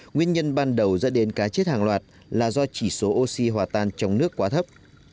nguyên nhân ban đầu dẫn đến cá chết hàng loạt là do chỉ số oxy hòa tan trong nước quá thấp